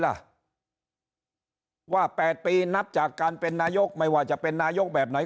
ล่ะว่า๘ปีนับจากการเป็นนายกไม่ว่าจะเป็นนายกแบบไหน